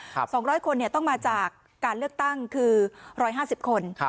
๒๐๐คนเนี่ยต้องมาจากการเลือกตั้งคือ๑๕๐คน